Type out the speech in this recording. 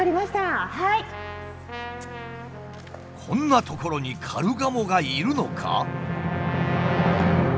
こんな所にカルガモがいるのか？